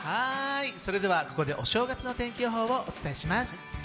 それではここでお正月の天気予報をお伝えします。